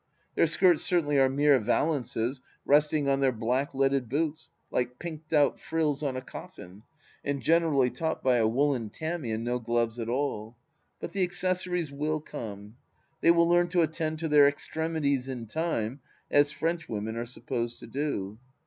Their skirts certainly are mere vallances resting on their black leaded boots, like pinked out frills on a cofiBn, and generally topped by a woollen Tammy and no gloves at all, but the accessories will come. They will learn to attend to their extremities in time, as Frenchwomen are supposed to do.